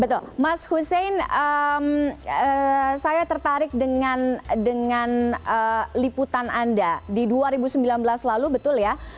betul mas hussein saya tertarik dengan liputan anda di dua ribu sembilan belas lalu betul ya